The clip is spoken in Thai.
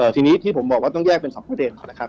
ทีนี้ที่ผมบอกว่าต้องแยกเป็น๒ประเด็นก่อนนะครับ